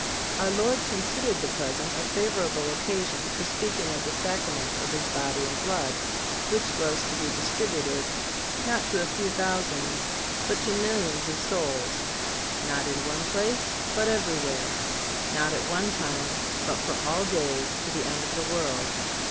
Our Lord considered the present a favorable occasion for speaking of the Sacrament of His body and blood, which was to be distributed, not to a few thousands, but to millions of souls; not in one place, but everywhere; not at one time, but for all days, to the end of the world.